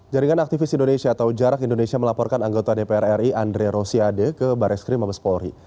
jaringan aktivis indonesia atau jarak indonesia melaporkan anggota dpr ri andre rosiade ke baris krim mabes polri